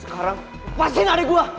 sekarang pasin adek gua